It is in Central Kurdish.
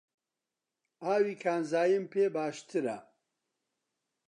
ئاوی کانزاییم پێ باشترە.